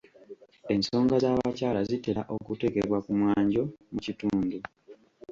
Ensonga z'abakyala zitera okuteekebwa ku mwanjo mu kitundu.